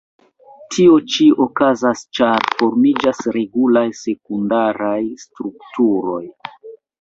Tio ĉi okazas, ĉar formiĝas regulaj sekundaraj strukturoj.